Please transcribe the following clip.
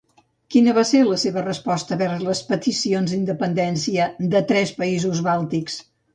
Quina va ser la seva resposta vers les peticions d'independència de tres països bàltics?